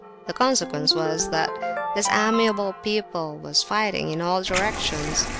The consequence was, that this amiable people was fighting in all directions.